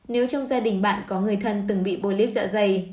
nếu trong gia đình bạn có người thân từng bị polip dạ dày